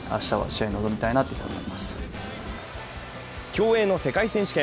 競泳の世界選手権。